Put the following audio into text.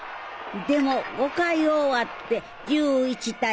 でも５回を終わって１１対０。